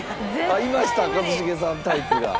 いました一茂さんタイプが。